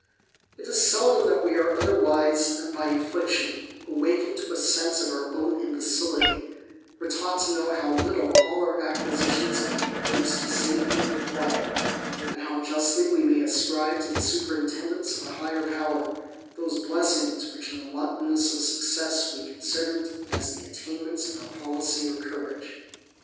It is seldom that we ar^ otherwise, than by affliction, awakened to a sense of our own imbecility, or taught to know how little all our acquisi tions can conduce to safety or to quiet ; and how justly w^ may ascribe to the superintendence of a higher power, thos^ blessings which in the wantonness of success we considered as the attainments of our policy or courage.